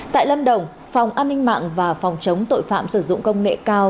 tại lâm đồng phòng an ninh mạng và phòng chống tội phạm sử dụng công nghệ cao